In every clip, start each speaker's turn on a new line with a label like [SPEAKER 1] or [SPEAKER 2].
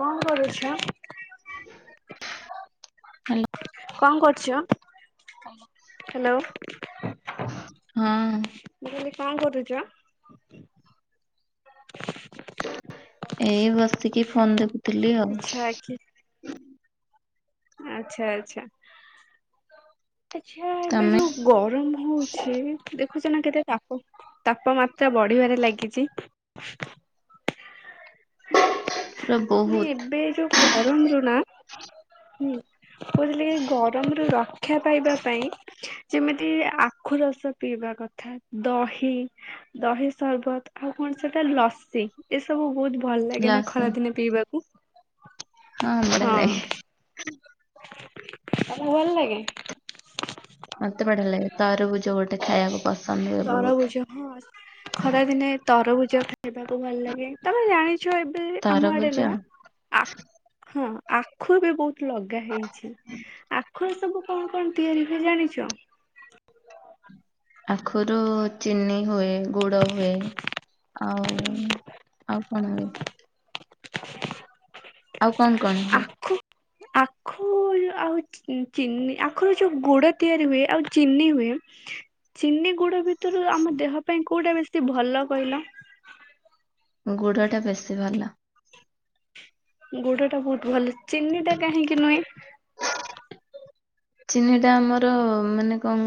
[SPEAKER 1] କଣ କରୁଛ?
[SPEAKER 2] ହ୍ୟାଲୋ।
[SPEAKER 1] କଣ କରୁଛ ହ୍ୟାଲୋ। ମୁଁ
[SPEAKER 2] ହଁ
[SPEAKER 1] କହିଲି କଣ କରୁଛ।
[SPEAKER 2] ଏଇ ବସିକି ଫୋନ୍ ଦେଖୁଥିଲି ଆଉ।
[SPEAKER 1] ଆଚ୍ଛା ଆଛା ଆଛା ଆଛା ଏବେ
[SPEAKER 2] ତମେ
[SPEAKER 1] ଯୋଉ ଗରମ ହଉ ଅଛି ଦେଖୁଛ ନା କେତେ ତାପ ତାପମାତ୍ରା ବଢିବାରେ ଲାଗିଛି।
[SPEAKER 2] ପୁରା
[SPEAKER 1] ନି
[SPEAKER 2] ବହୁତ
[SPEAKER 1] ଏବେ ଯୋଉ ଗରମରୁ ନା ହୁଁ। କହୁଥିଲି କି ଗରମରୁୁ ରକ୍ଷା ପାଇବା ପାଇଁ। ଯେମିତି ଆଖୁ ରସ ପିଇବା କଥା ଦହି। ଦହି ସରର୍ବତ ଆଉ କଣ ସେଟା ଲସି ଏସବୁ ବହୁତ ଭଲ ଲାଗେ ନା
[SPEAKER 2] ଲାସ
[SPEAKER 1] ଖରା ଦିନେ ପିଇବାକୁ।
[SPEAKER 2] ହଁ ବଢ଼ିଆ ଲାଗେ।
[SPEAKER 1] ତମକୁ ଭଲ ଲାଗେ?
[SPEAKER 2] ମତେ ବଢିଆ ଲାଗେ ତରଭୂଜ ଗୋଟେ ଖାଇବାକୁ ପ
[SPEAKER 1] ତରଭୁଜ ହଁ ଖରାଦିନେ ତରଭୁଜ ଖିବାକୁ ଭଲ ଲାଗେ। ତମେ ଜାଣିଛ ଏବେ ଆମ ଆଡେ
[SPEAKER 2] ତରଭୁଜ
[SPEAKER 1] ନୁହଁ ଆ ହଁ ଆଖୁରେ ବହୁତ ଲଗା ହେଇଚି ଆଖୁରେ ସବୁ କଣ କଣ ତିଆରି ହୁଏ ଜାଣିଚ?
[SPEAKER 2] ଆଖୁରୁ ଚିନି ହୁଏ, ଗୁଡ ହୁଏ, ଆଉ ଆଉ ମନ ହୁଏନି। ଆଉ କଣ କଣ? ହୁଏ
[SPEAKER 1] ଆଖୁ ଆଖୁ ଆଉ ଚିନି ଆଖରୁ ଯୋଉ ଗୁଡ ତିଆରି ହୁଏ ଆଉ ଚିନି ହୁଏ ଚିନି ଗୁଡ କୁ ତୁରି ଆମ ଦେହ ପାଇଁ କୋଉଟା ବେଶୀ ଭଲ କହିଲ?
[SPEAKER 2] ଗୁଡ ଟା ବେଶୀ ଭଲ।
[SPEAKER 1] ଗୁଡ ଟା ବହୁତ ଭଲ ଚିନି ଟା କାହିଁକି ନୁହେଁ?
[SPEAKER 2] ଚିନି ଟା ଆମର ମାନେ କଣ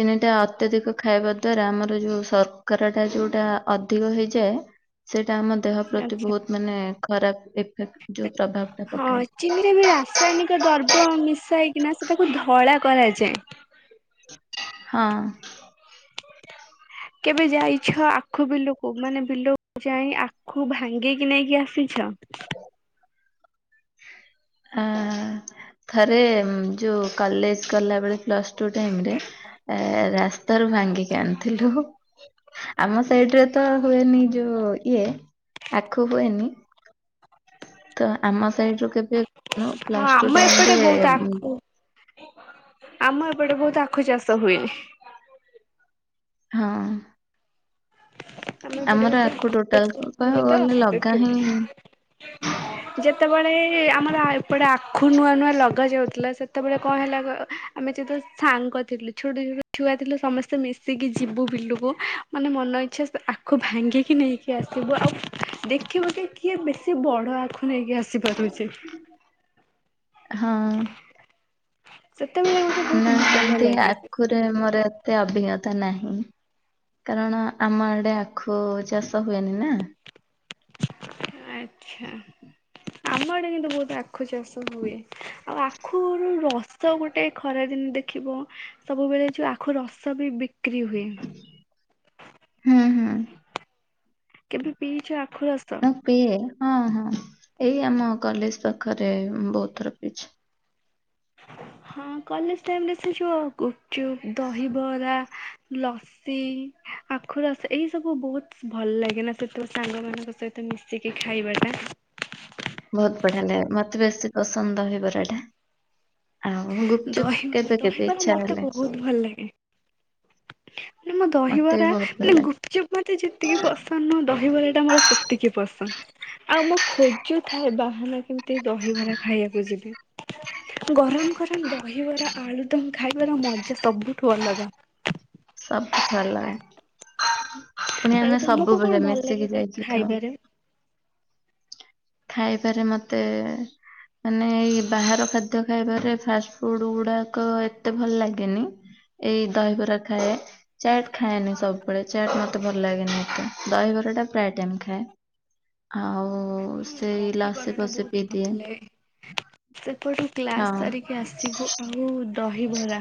[SPEAKER 2] ଚିନି ଟା ଅତ୍ୟଧିକ ଖାଇବା ଦ୍ଵାରା ଆମର ଯୋଉ ସରକାର ଟା ଯୋଉଟା ଅଧିକ ହେଇଯାଏ। ସେଇଟା ଆମ ଦେହ ପ୍ରତି
[SPEAKER 1] ଆଚ୍ଛା।
[SPEAKER 2] ବହୁତ ମାନେ ଖରାପ୍ ଏଫେକ୍ଟ
[SPEAKER 1] ହଁ। ଚିନିରେ ବି ରାସାୟନିକ ଦ୍ରବ୍ୟ ମିଶା ହେଇକିନା ସେ ସେ ତାକୁ ଧଳା କରାଯାଏ।
[SPEAKER 2] ହଁ।
[SPEAKER 1] [inaudible] କେବେ ଯାଇଛ ଆଖୁ ବିଲକୁ, ମାନେ ବିଲକୁ ଯାଇ ଆଖୁ ଭାଙ୍ଗେଇିକି ନେଇକି ଆସିଛ?
[SPEAKER 2] ଅ ଥରେ ଯୋଉ କଲେଜ କଲାବେଳେ ପ୍ଲସ୍ ଟୁ ଟାଇରେ ରାସ୍ତାରୁୁ ଭାଙ୍ଗିକି ଆଣିଥିଲୁ। ଆମ ସାଇଡ ରେ ତ ହୁଏନି ଯୋଉ ଇଏ ଆଖୁ ହୁଏନି। ତ ଆମ ସାଇଡ ରୁ କେବେ୍
[SPEAKER 1] ହଁ
[SPEAKER 2] ପ୍ଲୁ
[SPEAKER 1] ଆମ
[SPEAKER 2] ଟୁ
[SPEAKER 1] ଏପଟେ ବହୁତ
[SPEAKER 2] ଟାଇମ୍
[SPEAKER 1] ଆଖୁ ଆମ ଏପଟେ ବହୁତ ଆଖୁ ଚାଷ ହୁଏ।
[SPEAKER 2] ହଁ।
[SPEAKER 1] ଆମର ଏପଟେ
[SPEAKER 2] ଆଖୁ ଟୋଟାଲ
[SPEAKER 1] [unintelligible]
[SPEAKER 2] କହିବାକୁ
[SPEAKER 1] ହୁଏ ତ
[SPEAKER 2] ଗଲେ ଲଗା ହିଁ
[SPEAKER 1] ସେଥିପାଇଁ। ଯେତେବେଳେ ଆମର ଏପଟେ ଆଖୁ ନୂଆ ନୂଆ ଲଗ ଯାଉଥିଲା ସେତେବେଳେ କଣ ହେଲା ନା ଆମେ ଯେତେବେଲୁ ସାଙ୍ଗ ଥିଲୁ ଛୋଟ ଛୋଟ ଛୁଆ ଥିଲୁ ସମସ୍ତେ ମିଶିକି ଯିବୁ ବିଲୁକୁ ମନ ଇଛା ଆଖୁ ଭାଙ୍ଗିକି ନେଇକି ଆସିବୁ ଆଉ ଦେଖିବୁ କି କିଏ ବେଶୀ ବଡ଼ ଆଖୁ ନେଇକି ଆସିପାରୁଚି।
[SPEAKER 2] ହଁ।
[SPEAKER 1] ସେତେବେଳେ ଗୋଟେ
[SPEAKER 2] ନା
[SPEAKER 1] ବହୁତ ଭଲ
[SPEAKER 2] ସେମିତି
[SPEAKER 1] ଲାଗେ ସେ
[SPEAKER 2] ଆଖୁରେ
[SPEAKER 1] ସବୁ।
[SPEAKER 2] ମୋର ଏତେ ଅଭିଜ୍ଞତା ନାହିଁ କାରଣ ଆମ ଆଡେ ଆଖୁ ଚାଷ ହୁଏନି ନା।
[SPEAKER 1] [inaudible] ଆଚ୍ଛା। ଆମ ଆଡେ କିନ୍ତୁ ବହୁତ ଆଖୁ ଚାଷ ହୁଏ, ଆଉ ଆଖୁ ରସ ରସ ଗୋଟେ ଖରାଦିନ ଦେଖିବ ସବୁବେଳେ ଯୋଉ ଆଖୁ ରସ ବି ବିକ୍ରି ହୁଏ।
[SPEAKER 2] ହୁଁ ହୁଁ।
[SPEAKER 1] କେବେ ପିଇଛ ଆଖୁ ରସ?
[SPEAKER 2] ମୋ ପିଇ ହଁ ହଁ ଏଇ ଆମ କଲେଜ ପାଖରେ ବହୁତ ଥର ପିଇଛି।
[SPEAKER 1] ହଁ କଲେଜ ଟାଇମରେ ସେ ଯ ଗୁପଚୁପ ଦହିବରା ଲସ ଆଖୁ ରସ ଏଇ ସବୁ ବହୁତ ଭଲ ଲାଗେନା ସେତ ସାଙ୍ଗ ମାନଙ୍କ ସହିତ ମିସିକି ଖାଇବା ଟା।
[SPEAKER 2] ବହୁତ ବଢିଆ ଲାଗେ ମତେ ବେଶୀ ପସନ୍ଦ ଦହିବରା ଟା। ଆଉ ଗୁପଚୁପ୍
[SPEAKER 1] ଦହିବ
[SPEAKER 2] କେବେ କେବେ
[SPEAKER 1] ଦହିବରା
[SPEAKER 2] ଇଚ୍ଛା
[SPEAKER 1] ମତେ
[SPEAKER 2] ହେଲେ
[SPEAKER 1] ବହୁତ ଭଲ ଲାଗେ। ମୋ
[SPEAKER 2] ମତେ ବି
[SPEAKER 1] ଦହିବରା
[SPEAKER 2] ବହୁତ ଭଲ
[SPEAKER 1] ମାନେ
[SPEAKER 2] ଲାଗେ।
[SPEAKER 1] ଗୁପଚପ ମତେ ଯେତିକି ପସନ୍ଦ ତ ଦହିବରା ଟା ମୋର ସେତିକି ପସନ୍ଦ ଆଉ ମୁଁ ଖୋଜୁଥାଏ ବାହାନା କି ଦହିବରା ଖାଇବାକୁ ଯିବି ଗରମ ଗର ଦହିବରା ଆଳୁ ଦମ ଖାଇବାର ମଜା ସବୁଠୁ ଅଲଗା।
[SPEAKER 2] ସବୁ ଭଲ ପୁଣି
[SPEAKER 1] ଆଉ
[SPEAKER 2] ଆମେ
[SPEAKER 1] ତମକୁ କଣ
[SPEAKER 2] ସବୁବେଳେ
[SPEAKER 1] ଭଲ ଲାଗେ
[SPEAKER 2] ମିଶିକି
[SPEAKER 1] କହିଲ
[SPEAKER 2] ଯାଇକି ଖାଉ।
[SPEAKER 1] ଖାଇବାରେ?
[SPEAKER 2] ଖାଇବାରେ ମୋତେ ମାନେ ଏଇ ବାହାର ଖାଦ୍ୟ ଖାଇବାରେ ଫାଷ୍ଟ ଫୁଡ ଗୁଡାକ ଏତେ ଭଲ ଲାଗେନି। ଏଇ ଦହିିବରା ଖାଏ। ଚାଟ୍ ଖାଏନି ସବୁବେଳେ ଚାଟ ମତେ ଭଲ ଲାଗେନି ଏତେ ଦହିବରା ଟା ପ୍ରାୟ ଟାଇମ ଖାଏ। ହଉ
[SPEAKER 1] ହଁ ଦହିବରା ଟା ବହୁତ ଭଲ ଲାଗେ। ସେପଟୁ
[SPEAKER 2] ହଁ
[SPEAKER 1] କ୍ଲାସ ସାରିକି ଆସିବୁ। ଆଉ ଦହିବରା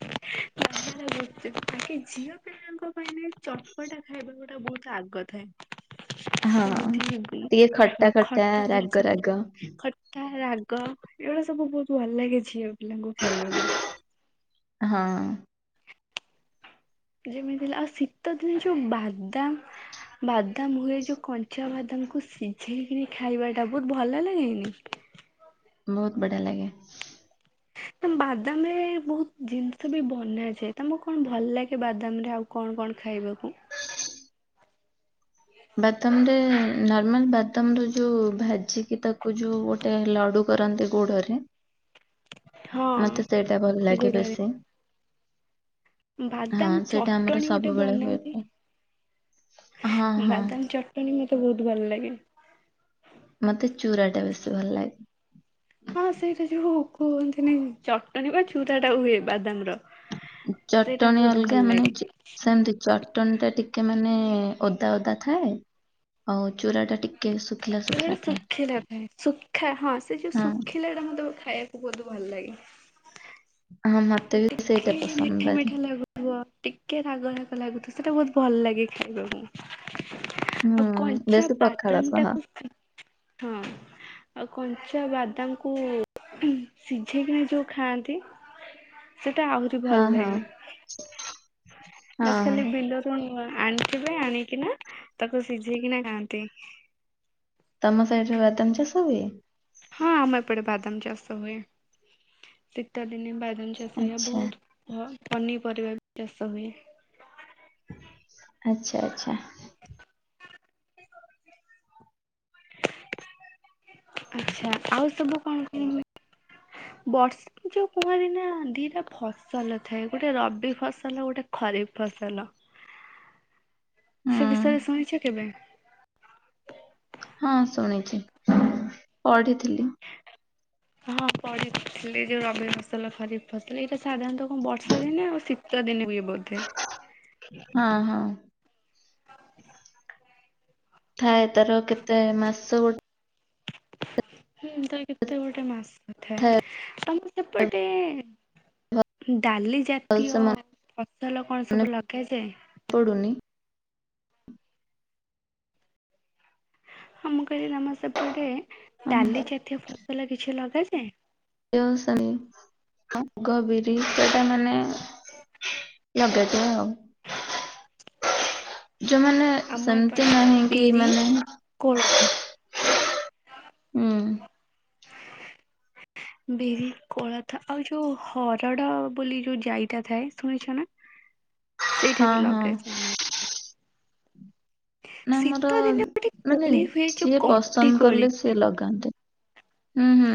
[SPEAKER 1] [unintelligible] ଝିଅ ପିଲାଙ୍କ ପାଇଁ ଚଟପଟା ଖାଇବାକୁ ଗୋଟେ ବହୁତ ଆଗ୍ରହ ଥାଏ।
[SPEAKER 2] ହଁ
[SPEAKER 1] ସେମିତି
[SPEAKER 2] ଟିକେ
[SPEAKER 1] ହଁ
[SPEAKER 2] ଖଟା ଖଟା ରାଗ
[SPEAKER 1] ଜିନିଷ
[SPEAKER 2] ରାଗ।
[SPEAKER 1] ଖଟା ରାଗ ଏଇଗୁରା ସବୁ ବହୁତ ଭଲ ଲାଗେ ଝିଅ ପିଲାଙ୍କୁ ଖାଇବାକୁ।
[SPEAKER 2] ହଁ।
[SPEAKER 1] ଯେମିତି ହେଲେ ଆଉ ଶୀତ ଦିନ ଯୋଉ ବାଦାମ ବାଦାମ ହୁଏ ଯୋଉ କଞ୍ଚା ବାଦାମକୁ ସିଝେଇକି ଖାଇବା ଟା ବହୁତ ଭଲ ଲାଗେନି?
[SPEAKER 2] ବହୁତ ବଢିଆ ଲାଗେ।
[SPEAKER 1] ତ ବାଦାମ ରେ ବହୁତ ଜିନିଷ ବି ବନାଯାଏ ତମକୁ କଣ ଭଲ ଲାଗେ ବାଦାମ ରେ ଆଉ କଣ କଣ ଖାଇବାକୁ?
[SPEAKER 2] ବାଦାମ ରେ ନର୍ମାଲ ବାଦାମ ର ଯୋଉ ଭାଜିିକି ତାକୁ ଯୋଉ ଗୋଟେ ଲଡ଼ୁ କରନ୍ତି ଗୁଡରେ
[SPEAKER 1] [inaudible]
[SPEAKER 2] ମତେ ସେଇଟା ଭଲ ଲାଗେ
[SPEAKER 1] ଗୁଡରେ
[SPEAKER 2] ବେଶୀ। ହଁ
[SPEAKER 1] ବାଦାମ
[SPEAKER 2] ସେଇଟା ଆମର
[SPEAKER 1] ଚଟଣି ଗୋଟେ
[SPEAKER 2] ସବୁବେଳେ ହୁଏ
[SPEAKER 1] ବନାନ୍ତି
[SPEAKER 2] ପା। ହଁ ହଁ।
[SPEAKER 1] ବାଦାମ ଚଟଣି ମତେ ବହୁତ ଭଲ ଲାଗେ।
[SPEAKER 2] ମତେ ଚୁରା ଟା ବେଶୀ ଭଲ ଲାଗେ।
[SPEAKER 1] ହଁ ସେଇଟା ଯୋଉ କୁହନ୍ତିନି ଚଟଣୀ ବା ଚୁୁରା ଟା ହୁଏ ବାଦାମ ର।
[SPEAKER 2] ଚଟଣିୀ ଅଲଗା ମାନେ ସେମିତି ଚଟଣ ଟା ଟିକେ ମାନେ ଓଦା ଓଦା ଥାଏ। ଆଉ ଚୂରା ଟା ଟିକେ ଶୁଖିଲା ଶୁଖିଲା
[SPEAKER 1] ଗୋଟେ
[SPEAKER 2] ଥାଏ
[SPEAKER 1] ଶୁଖିଲା ଥାଏ ଶୁଖା ହଁ ସେ ଯୋଉ
[SPEAKER 2] ହଁ
[SPEAKER 1] ଶୁଖିଲା ଟା ମୁଁ ବହୁତ ଖାଇବା ବହୁତ ଭଲ ଲାଗେ
[SPEAKER 2] ହଁ ମତେ ବି ସେଇଟା
[SPEAKER 1] ଟିକେ
[SPEAKER 2] ପସନ୍ଦ
[SPEAKER 1] ମିଠା
[SPEAKER 2] ବାରି
[SPEAKER 1] ମିଠା ଲାଗୁ ଥିବ ଟିକେ ରାଗ ରାଗ ଲାଗୁଥିବ ସେଇଟା ବହୁତ ଭଲ ଲାଗେ ଖାଇବାକୁ। ଆଉ
[SPEAKER 2] ହୁଁ
[SPEAKER 1] କଞ୍ଚା
[SPEAKER 2] ବେଶୀ ପଖାଳ
[SPEAKER 1] ବାଦାମ
[SPEAKER 2] ସହ
[SPEAKER 1] ଟାକୁ ହଁ। ଆଉ କଞ୍ଚା ବାଦାମକୁ ସିଝେଇକନା ଯୋଉ ଖାଆନ୍ତି ସେଟା ଆହୁରି ଭଲ
[SPEAKER 2] ହଁ ହଁ
[SPEAKER 1] ଲାଗେ ବାସ
[SPEAKER 2] ହଁ
[SPEAKER 1] ଖାଲି ବିଲ ରୁ ଆଣିଥିବେ ଆଣିକିନା ତାକୁ ସିଝେଇକିନା ଖାଆନ୍ତି।
[SPEAKER 2] ତମ ସଇଟରେ ବାଦାମ ଚାଷ ହୁଏ?
[SPEAKER 1] ହଁ ଆମ ଏପଟେ ବାଦାମ ଚାଷ ହୁଏ। ଶୀତ ଦିନେ ବା ଦାମ ଚାଷ ହୁଏ। ଆଉ
[SPEAKER 2] ଆଚ୍ଛା
[SPEAKER 1] ବହୁତ ଭ ପନିପରିବା ବି ଚାଷ ହୁଏ।
[SPEAKER 2] ଆଚ୍ଛା ଆଛା।
[SPEAKER 1] ଆଛା ଆଉ ସବୁ କଣ ହୁଏ? ଯୋଉ କୁହନ୍ତିିନି ନା ଦିଟା ଫସଲ ଥାଏ ଗୋଟେ ରବି ଫସଲ ଗୋଟେ ଖରିଫ ଫସଲ।
[SPEAKER 2] ହୁଁ
[SPEAKER 1] ସେ ବିଷୟରେ ଶୁଣିଚ କେବେ?
[SPEAKER 2] ହଁ ଶୁଣିଚି ପଢିଥିଲି।
[SPEAKER 1] ହଁ ପଢ଼ି ଯୋଉ ରବି ଫସଲ ଖରିଫ ଫସଲ ଏଇଟା ସାଧାରଣତଃ କଣ ବର୍ଷା ଦିନେ ଆଉ ଶୀତ ଦିନେ ହୁଏ ବୋଧେ?
[SPEAKER 2] ହଁ ହଁ। ଥାଏ ତାର କେତେ ମାସ ଗୋଟେ
[SPEAKER 1] ହୁଁ ତା କେତେ ଗୋଟେ ମାସ ଥାଏ। ଆ ଏପଟେ ଡାଲି ଜା ତୀୟ
[SPEAKER 2] ଭଲସେ
[SPEAKER 1] ଫସଲ କଣ ସବୁ ଲଗାଯାଏ?
[SPEAKER 2] ପଡ଼ୁନି?
[SPEAKER 1] ହଁ ମୁଁ କହିଲି ତମର ସେପଟେ ଡାଲି ଜାତୀୟ ଫସଲ କିଛି ଲଗାଯାଏ?
[SPEAKER 2] [unintelligible] ଗ ବିରି ସେଟା ମାନେ ଲଗାଯାଏ ଆଉ। ଯୋଉମାନେ
[SPEAKER 1] ଆମ
[SPEAKER 2] ସେମିତି
[SPEAKER 1] ଏପଟେ
[SPEAKER 2] ନାହିଁ କି
[SPEAKER 1] ବିରି
[SPEAKER 2] ମାନେ
[SPEAKER 1] କୋଳଥ।
[SPEAKER 2] ହୁଁ
[SPEAKER 1] ବିରି କୋଳାଥ ଆଉ ଯୋଉ ହରଡ଼ ବୋଲି ଯୋଉ ଜାଇଟା ଥାଏ ଶୁଣିଛ ନା? ସେଇଟା
[SPEAKER 2] ହଁ
[SPEAKER 1] ବି
[SPEAKER 2] ହଁ
[SPEAKER 1] ଲଗାଯାଏ ମ
[SPEAKER 2] ନାଁ ଆମର
[SPEAKER 1] ଶୀତ ଦିନେ ଗୋଟେ
[SPEAKER 2] ମାନେ
[SPEAKER 1] କୋଳି ହୁଏ ଯୋଉ
[SPEAKER 2] ସିଏ
[SPEAKER 1] କଣ୍ଟି
[SPEAKER 2] ପସନ୍ଦ
[SPEAKER 1] କୋଳି
[SPEAKER 2] କଲେ ସିଏ ଲଗାନ୍ତେ।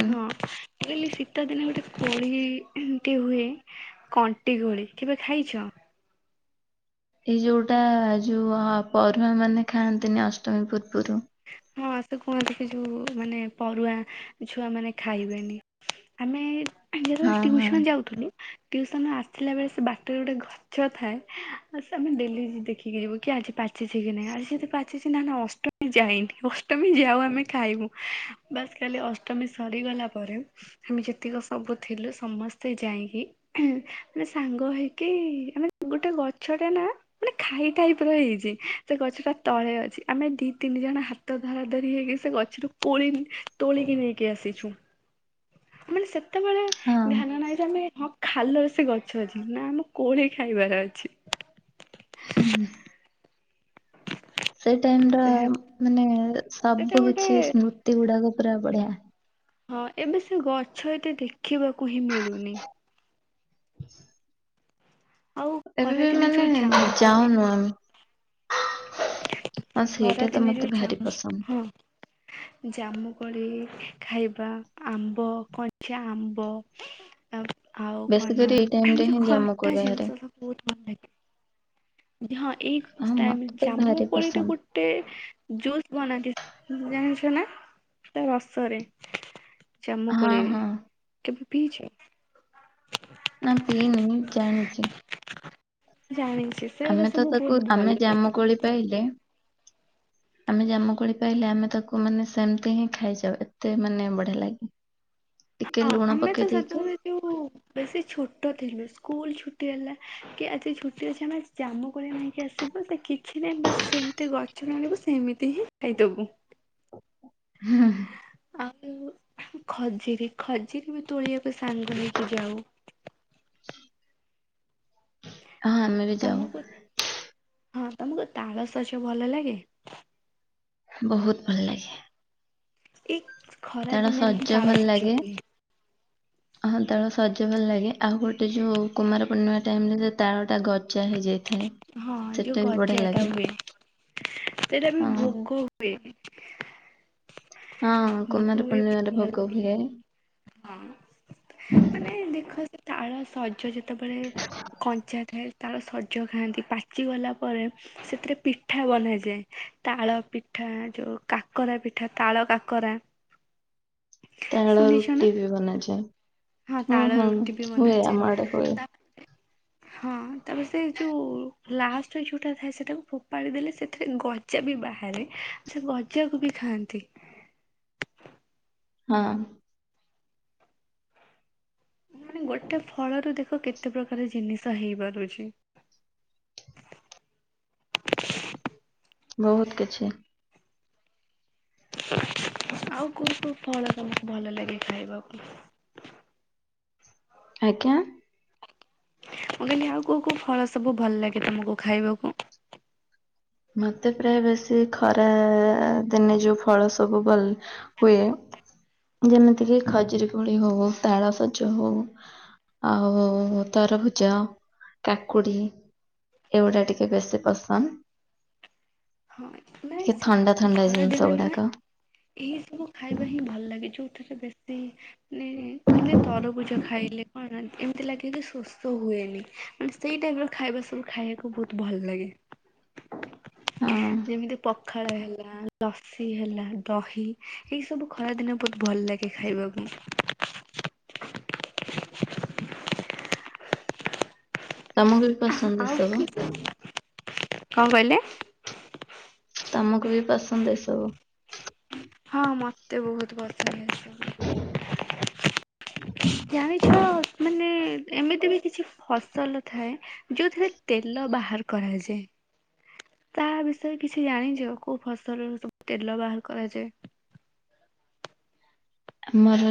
[SPEAKER 1] ହଁ। କହିଲି ଶୀତ ଦିନେ ଗୋଟେ କୋଳିଟି ହୁଏ କଣ୍ଟି କୋଳି, କେବେ ଖାଇଛ?
[SPEAKER 2] ଏଇ ଯୋଉଟା ଯୋଉ ଅ ପରରୁଆଁ ମାନେ ଖାଆନ୍ତିନି ଅଷ୍ଟମୀ ପୂର୍ବୁରୁ।
[SPEAKER 1] ହଁ ସେ କୁହନ୍ତି କି ଯୋଉ ମାନେ ପରରୁଆଁ ଛୁଆମାନେ ଖାଇବେନି। ଆମେ ଯେତୋଳେ
[SPEAKER 2] ହଁ ହଁ
[SPEAKER 1] ଟିଉସନ୍ ଯାଉଥିଲୁଥୁଲୁ ଟିଉସନ୍ ରୁ ଆସିଲା ବେଳେ ସେ ବାଟରେ ଗୋଟେ ଘ ଛ ଥାଏ ଆ ସେ ଆମେ ଡେଲି ଦେଖିକି ଯିବୁ କି ଆଜି ପାଚିଛି କି ନାଇଁ ଆଜି ସେ ଯଦି ପାଚଛି ନା ନା ଅଷ୍ଟ ମୀ ଯାଇନି ଅଷ୍ଟମୀ ଯାଉ ଆମେ ଖାଇବୁ ବାସ୍ ଖାଲି ଅଷ୍ଟମୀ ସରିଗଲା ପରେ ଆମେ ଯେତିକି ସବୁ ଥିଲୁ ସମସ୍ତେ ଯାଇଁକି ନେ ସାଙ୍ଗ ହେଇକି ଆମେ ଗୋଟେ ଗଛଟେ ନା ମାନେ ଖାଇ ଟାଇପ୍ ର ହେଇଚି ସେ ଗଛଟା ତଳେ ଅଛି ଆମେ ଦି ତିନି ଜଣ ହାତ ଧରା ଧରି ହେଇକି ସେ ଗଛରୁ କୋଳି ତୋଳିକି ନେଇକି ଆସିଚୁ। ମାନେ ସେତବେଳେ
[SPEAKER 2] ହଁ
[SPEAKER 1] ଧ୍ୟାନ ନାହିଁ ଯେ ଆମେ ହଁ ଖାଲରେ ସେ ଗଛ ଅଛି ନା ଆମ କୋଳି ଖାଇବାର ଅଛି।
[SPEAKER 2] ହୁଁ। ସେଇ ଟାଇମ୍ ର
[SPEAKER 1] ସେୟା
[SPEAKER 2] ମାନେ
[SPEAKER 1] ସେଟା
[SPEAKER 2] ସବୁ
[SPEAKER 1] ଗୋଟେ
[SPEAKER 2] କିଛି ସ୍ମୃତି ଗୁଡ଼ାକ ପୁରା ବଢ଼ିଆ।
[SPEAKER 1] ହଁ ଏବେ ସେ ଗଛ ଏତେ ଦେଖିବାକୁ ହିଁ ମିଳୁନି। ଆଉ
[SPEAKER 2] ଏବେ ବି
[SPEAKER 1] ଖରାଦିନେ
[SPEAKER 2] ମାନେ
[SPEAKER 1] ଯୋଉ ଜାମୁ କୋଳି
[SPEAKER 2] ଯାଉନୁ ଆମେ ହଁ
[SPEAKER 1] ଖରା
[SPEAKER 2] ସେଇଟା ତ
[SPEAKER 1] ଦିନେ
[SPEAKER 2] ମତେ
[SPEAKER 1] ଯୋଉ
[SPEAKER 2] ଭାରି
[SPEAKER 1] ଜାମ୍
[SPEAKER 2] ପସନ୍ଦ।
[SPEAKER 1] ହଁ। ଜାମୁକୋଳି ଖାଇବା ଆମ୍ବ କଞ୍ଚା ଆମ୍ବ। ଆ ଆଉ
[SPEAKER 2] ବେଶୀ
[SPEAKER 1] କଣ ନାଁ
[SPEAKER 2] କରି ଏଇ ଟାଇମ
[SPEAKER 1] ଏମ୍
[SPEAKER 2] ରେ
[SPEAKER 1] ଯୋଉ
[SPEAKER 2] ହିଁ
[SPEAKER 1] ଖଟା
[SPEAKER 2] ଜାମୁକୋଳି ବାହାରେ
[SPEAKER 1] ଜିନିଷ ସବ ବୋହୁତ ଭଲ ଲାଗେ। ହଁ ଏଇ
[SPEAKER 2] ହଁ
[SPEAKER 1] ଟାଇମ୍
[SPEAKER 2] ମତେ ତ
[SPEAKER 1] ଜାମୁ
[SPEAKER 2] ଭାରି
[SPEAKER 1] କୋଳିଟା
[SPEAKER 2] ପସନ୍ଦ
[SPEAKER 1] ଗୋ ଟେ ଜୁସ୍ ବନାନ୍ତି ଜାଣିଛ ନାଁ? ତା ରସରେ
[SPEAKER 2] ହଁ
[SPEAKER 1] ଜାମୁକୋଳିରେ
[SPEAKER 2] ହଁ
[SPEAKER 1] କେବେ ପିଇଛ?
[SPEAKER 2] ନାଁ ପିଇନି ଜାଣିଚି।
[SPEAKER 1] ଜାଣିଚି ସେଉଡ଼ା ସବୁ ବହୁତ ଭଲ ଲାଗେ।
[SPEAKER 2] ପଳି ପାଇଦେ
[SPEAKER 1] ହୁଁ
[SPEAKER 2] ଆମେ ଜାମୁକୋଳି ପାଇଲେ ଆମେ ତାକୁ ମାନେ ସେମତି ହିଁ ଖାଇଯାଉ ଏତେ ମାନେ ବଢ଼ିଆ ଲାଗେ। ଟିକେ
[SPEAKER 1] ହଁ
[SPEAKER 2] ଲୁଣ
[SPEAKER 1] ଆମେ ତ
[SPEAKER 2] ପକେଇ ଦେଇକି
[SPEAKER 1] ସେଦିନ ଯୋଉ ବେଶୀ ଛୋଟ ଥିଲୁ ସ୍କୁଲ୍ ଛୁଟି ହେଲା କି ଆଜି ଛୁଟି ଅଛି ଆମେ ଜାମୁ କୋଳି ଆଣିକି ଆସି ବୁ ତେ କିଛି ନାହିଁ ବାସ୍ ସେମତି ଗଛରୁ ଆଣିବୁ ସେମିତି ହିଁ ଖାଇଦବୁ।
[SPEAKER 2] ହୁଁଁ।
[SPEAKER 1] ଆଉ ଖଜୁରୀ ଖଜୁରୀ ବି ତୋଳିବାକୁ ସାଙ୍ଗ ହେଇକି ଯାଉ।
[SPEAKER 2] ହଁ ଆମେ ବି ଯାଉ
[SPEAKER 1] ତମକୁ ହଁ ତମକୁ ତାଳ ସଜ ଭଲ ଲାଗେ?
[SPEAKER 2] ବହୁତ ଭଲ ଲାଗେ।
[SPEAKER 1] ଏକ ଖରା
[SPEAKER 2] ତାର
[SPEAKER 1] ଦିନରେ ହିଁ
[SPEAKER 2] ସଜ
[SPEAKER 1] ତାଳ
[SPEAKER 2] ଭଲ
[SPEAKER 1] ସଜ
[SPEAKER 2] ଲାଗେ
[SPEAKER 1] ହୁଏ।
[SPEAKER 2] ହଁ ତାଳ ସଜ ଭଲ ଲାଗେ ଆଉ ଗୋଟେ ଯୋଉ କୁମାର ପୂର୍ଣ୍ଣିମା ଟାଇମ୍ ରେ ଯୋଉ ତାଳଟା ଗଜା ହେଇ ଯାଇଥାଏ।
[SPEAKER 1] ହଁ ଯୋଉ ଗଜାଟା ହୁଏ ସେଟା ବି
[SPEAKER 2] ହଁ
[SPEAKER 1] ଭୋଗ ହୁଏ।
[SPEAKER 2] ହଁ
[SPEAKER 1] ବୋହୂ
[SPEAKER 2] କୁମାର
[SPEAKER 1] ହୁଏ
[SPEAKER 2] ପୂର୍ଣ୍ଣିମାରେ
[SPEAKER 1] ଭଲ
[SPEAKER 2] ଭୋଗ
[SPEAKER 1] ଲାଗେ
[SPEAKER 2] ହୁଏ।
[SPEAKER 1] ହଁ ମାନେ ଦେଖ ସେ ତାଳ ସଜ ଯେ ତବେଳେ କଞ୍ଚା ଥାଏ ତାଳ ସଜ ଖାଆନ୍ତି ପାଚି ଗଲା ପରେ ସେଥିରେ ପିଠା ବନାଯାଏ ତାଳ ପିଠା ଯୋଉ କାକରା ପିଠା ତାଳ କାକରା [inaudible]
[SPEAKER 2] ତାଳ
[SPEAKER 1] ଶୁଣିଛ ନା
[SPEAKER 2] ରୁଟିବି ବନାଯାଏ।
[SPEAKER 1] ହଁ
[SPEAKER 2] ହୁଁ
[SPEAKER 1] ତାଳ
[SPEAKER 2] ହୁଁ
[SPEAKER 1] ରୁଟିବି
[SPEAKER 2] ହୁଏ
[SPEAKER 1] ବନାଯାଏ
[SPEAKER 2] ଆମ ଆଡେ ହୁଏ।
[SPEAKER 1] ତାପରେ ହଁ ତାପରେ ସେଇ ଯୋଉ ଲାଷ୍ଟ ଯୋଉଟା ଥାଏ ସେଟାକୁ ଫୋପାଡ଼ି ଦେଲେ ସେଥିରେ ଗ ଯାବି ବାହାରେ ସେଗଜାକୁବି ଖାଆନ୍ତି।
[SPEAKER 2] ହଁ।
[SPEAKER 1] ମାନେ ଗୋଟେ ଫଳରୁ ଦେଖ କେତେ ପ୍ରକାର ଜିନିଷ ହେଇପାରୁଛି।
[SPEAKER 2] ବହୁତ୍ କିଛି।
[SPEAKER 1] ଆଉ କୋଉ କୋଉ ଫଳ ତମକୁ ଭଲ ଲାଗେ ଖାଇବାକୁ?
[SPEAKER 2] ଆଜ୍ଞା।
[SPEAKER 1] ମୁଁ କହିଲି ଆଉ କୋଉ କୋଉ ଫଳ ସବୁ ଭଲ ଲାଗେ ତମକୁ ଖାଇବାକୁ?
[SPEAKER 2] ମତେ ପ୍ରାୟ ବେଶୀ ଖରା ଦିନେ ଯୋଉ ଫଳ ସବୁ ବ ହୁଏ ଯେମିତିକିି ଖଜୁରୀ କୋଳି ହଉ ତାେଳସଜ ହଉ ଆଉ ତରଭୁଜ କାକୁଡ଼ି ଏଗୁଡ଼ା ଟିକେ ବେଶୀ ପସନ୍ଦ
[SPEAKER 1] ହଁ ନାଇଁ
[SPEAKER 2] ଟିକେ ଥଣ୍ଡା
[SPEAKER 1] ସିତ୍
[SPEAKER 2] ଥଣ୍ଡା ଜିନିଷ
[SPEAKER 1] ଖରାଦିନେ
[SPEAKER 2] ଗୁଡାକ
[SPEAKER 1] ନୁହେଁ ଏଇ ସବୁ ଖାଇବାହିଁ ଭଲ ଲାଗେ ଯୋଉଥିରେ ବେଶୀ ମାନେ ଯେମତି ତରଭୁଜ ଖାଇଲେ କଣ ଏତି ଲାଗେକି ସୋସୋ ହୁଏନି ମାନେ ସେଇ ଟାଇପିର ଖାଇବା ସବୁ ଖାଇବାକୁ ବହୁତ୍ ଭଲ ଲାଗେ।
[SPEAKER 2] ହଁ।
[SPEAKER 1] ଯେମିତି ପଖାଳ ହେଲା ଲ ସି ହେଲା ଦହି ଏଇସବୁ ଖରାଦିନେ ବହୁତ୍ ଭଲ ଲାଗେ ଖାଇବାକୁ।
[SPEAKER 2] ତମକୁ ପସନ୍ଦ ଏସବୁ
[SPEAKER 1] ଆଉକି କଣ କଁ କହିଲେ?
[SPEAKER 2] ତମକୁବି ପସନ୍ଦ ଏସବୁ?
[SPEAKER 1] ହଁ ମତେ ବହୁତ୍ ପସନ୍ଦ ଆସେ। ଜାଣିଛ ମାନେ ଏମିତିବି କିଛି ଫସଲ ଥାଏ ଯୋଉଥିରେ ତେଲ ବାହାର କରାଯାଏ? ତା ବିଷୟରେ କିଛି ଜାଣିଛ କୋଉ ଫସଲରୁ ସବୁ ତେଲ ବାହାର କରାଯାଏ?
[SPEAKER 2] ଆମର ଜ